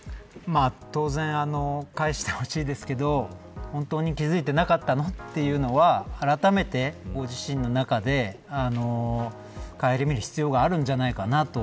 当然、返してほしいですけど本当に気付いてなかったのというのはあらためてご自身の中でかえりみる必要があるんじゃないかなと。